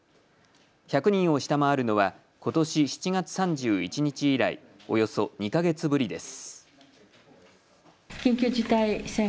１００人を下回るのはことし７月３１日以来およそ２か月ぶりです。